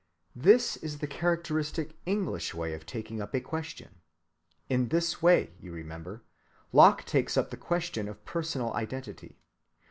This is the characteristic English way of taking up a question. In this way, you remember, Locke takes up the question of personal identity.